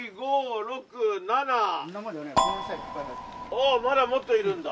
おぉまだもっといるんだ。